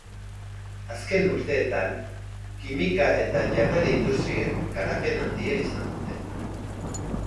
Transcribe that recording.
Azken urteetan kimika eta janari industriek garapen handia izan dute.